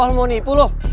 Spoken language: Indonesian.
wah lu mau nipu loh